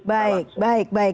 baik baik baik